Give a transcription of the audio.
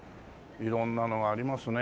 色んなのがありますね。